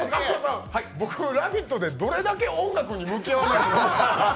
僕、「ラヴィット！」でどれだけ音楽に向き合わないといけないんですか？